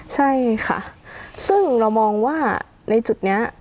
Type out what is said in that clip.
ใช่ค่ะซึ่งเรามองว่าในจุดนี้